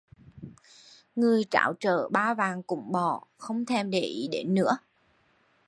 Người tráo trở ba vạn cũng bỏ, không thèm để ý đến nữa